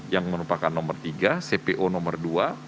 yang merupakan nomor tiga cpo nomor dua